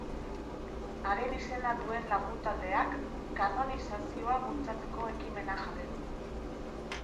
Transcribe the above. Haren izena duen lagun taldeak kanonizazioa bultzatzeko ekimena jarri du.